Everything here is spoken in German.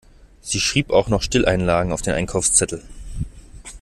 Sie schrieb auch noch Stilleinlagen auf den Einkaufszettel.